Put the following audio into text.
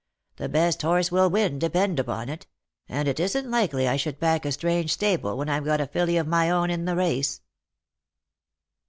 The best horse will win, depend upon it ; and it isn't likely I should back a strange stable, when I've got a filly of my own in the race."